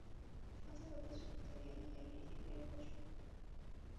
শত শত যুগ ধরিয়া ইহাই ঋষিদের ঘোষণা।